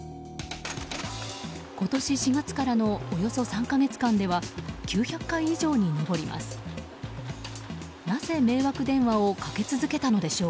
今年４月からのおよそ３か月間では９００回以上に上ります。